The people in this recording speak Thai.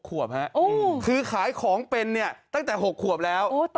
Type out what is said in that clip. ขวบฮะคือขายของเป็นเนี่ยตั้งแต่๖ขวบแล้ว